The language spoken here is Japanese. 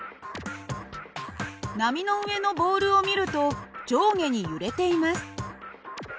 波の上のボールを見ると上下に揺れています。